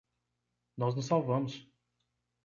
Nós nos salvamos!